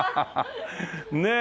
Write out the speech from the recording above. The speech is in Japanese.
ねえ。